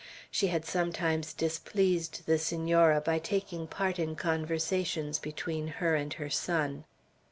She had sometimes displeased the Senora by taking part in conversations between her and her son.